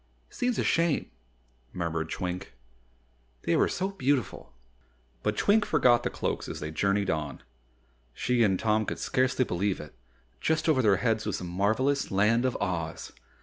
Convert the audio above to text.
"Seems a shame," murmured Twink, "they were so beautiful." But Twink forgot the Cloaks as they journeyed on. She and Tom could scarcely believe it just over their heads was the marvelous Land of Oz.